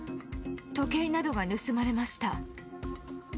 時計などが盗まれました。